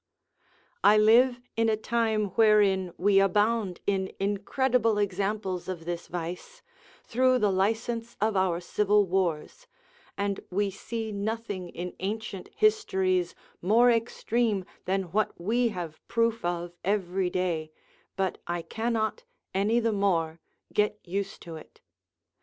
I live in a time wherein we abound in incredible examples of this vice, through the licence of our civil wars; and we see nothing in ancient histories more extreme than what we have proof of every day, but I cannot, any the more, get used to it.